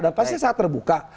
dan pasti saat terbuka